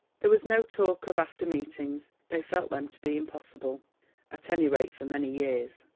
There was no talk of after meetings—they felt them to be impossible, at any rate for many years.